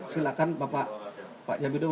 silakan bapak jambi dum